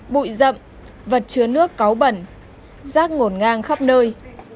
bụi rậm vật chứa nước có bẩn rác ngổn ngang khắp nơi